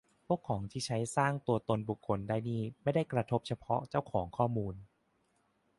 พวกของที่ใช้สร้างตัวตนบุคคลได้นี่ไม่ได้กระทบเฉพาะเจ้าของข้อมูล